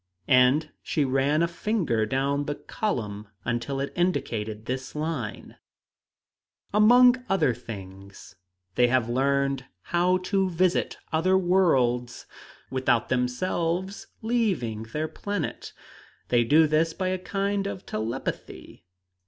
And she ran a finger down the column until it indicated this line: Among other things they have learned how to visit other worlds without themselves leaving their planet. They do this by a kind of telepathy.